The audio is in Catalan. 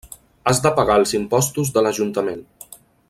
Has de pagar els impostos de l'ajuntament.